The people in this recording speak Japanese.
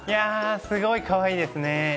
すごいかわいいですね。